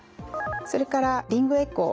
それからリングエコー。